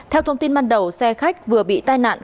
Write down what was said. theo thông tin ban đầu xe khách vừa bị tai nạn